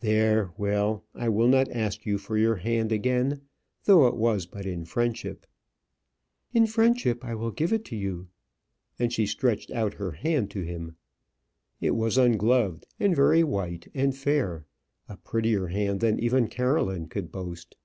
There, well, I will not ask you for your hand again, though it was but in friendship." "In friendship I will give it you," and she stretched out her hand to him. It was ungloved, and very white and fair; a prettier hand than even Caroline could boast.